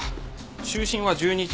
就寝は１２時。